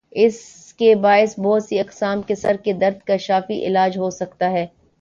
اسکے باعث بہت سی اقسام کے سر درد کا شافی علاج ہو سکتا ہے